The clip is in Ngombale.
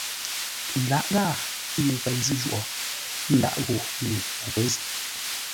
Lǎʼ ghâa ŋuu pei zʉ́ jwôghʼ, n dághʼ ghó ŋuu o pə̌ zʉ́.